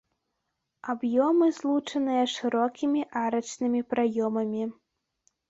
Аб'ёмы злучаныя шырокімі арачнымі праёмамі.